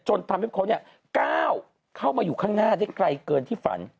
จนทำให้เขาก้าวเข้ามาอยู่ข้างหน้าได้ไกลเกินที่ฝัน